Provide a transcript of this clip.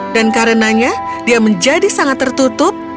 dan karenanya dia menjadi sangat tertutup